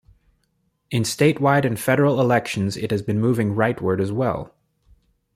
In statewide and federal elections it has been moving rightward as well.